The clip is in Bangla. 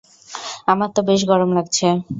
আমার তো বেশ গরম লাগছে!